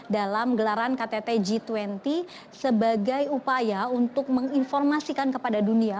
dalam gelaran ktt g dua puluh sebagai upaya untuk menginformasikan kepada dunia